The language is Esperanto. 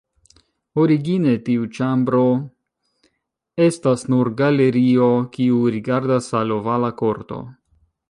Origine, tiu ĉambro estas nur galerio kiu rigardas al Ovala Korto.